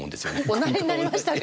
おなりになりましたか？